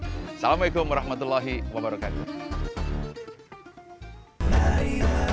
assalamu'alaikum warahmatullahi wabarakatuh